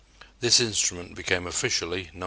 This instrument became, officially, No.